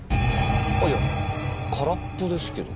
あっいや空っぽですけど。